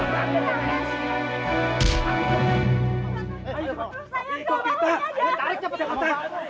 kalian tarik cepet cepet